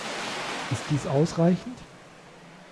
Ist dies ausreichend?